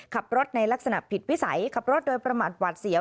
ขับรถในลักษณะผิดวิสัยขับรถโดยประมาทหวัดเสียว